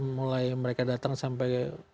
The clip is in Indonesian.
mulai mereka datang sampai